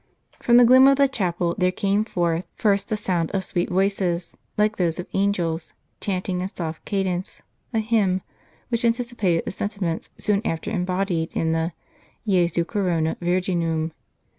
From the gloom of the chapel, there came forth iirst the sound of sweet voices, like those of angels, chanting in soft cadence, a hymn, which anticipated the sentiments soon after embodied in the "Jesu corona virginum."